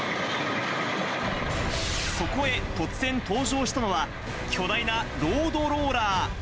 そこへ突然、登場したのは巨大なロードローラー。